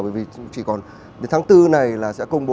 bởi vì chỉ còn đến tháng bốn này là sẽ công bố